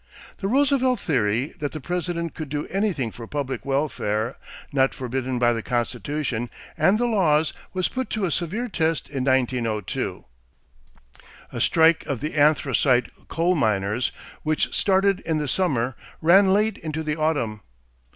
= The Roosevelt theory that the President could do anything for public welfare not forbidden by the Constitution and the laws was put to a severe test in 1902. A strike of the anthracite coal miners, which started in the summer, ran late into the autumn.